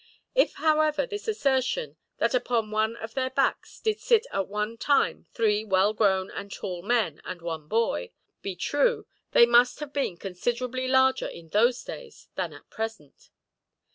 If however this assertion, that upon one of their backs "did sit at one time three well grown and tall men, and one boy" be true, they must have been considerably larger in those days than at present.